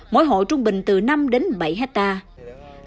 mỗi hộ trung bình từ năm đến bảy hectare